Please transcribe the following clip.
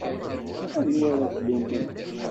Anwa ara tlummem?